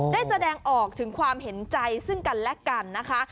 ได้แสดงออกถึงความเห็นใจซึ่งกันและกันนะคะ